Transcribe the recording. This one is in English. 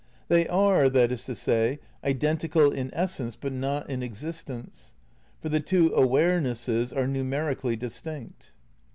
They are, that is to say, identical in essence but not in existence ; for the two awarenesses are numer ically distinct.